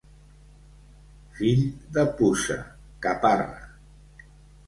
Fill de puça, caparra.